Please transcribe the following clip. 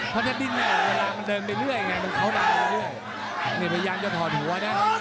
เพราะถ้าดิ้งให้ออกเวลามันเดินไปเรื่อยมันเข้าไปเรื่อยมันยังพยายามจะถอดหัวได้